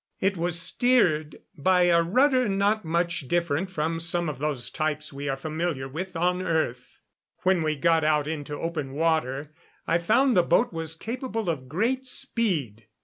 It was steered by a rudder not much different from some of those types we are familiar with on earth. When we got out into open water I found the boat was capable of great speed.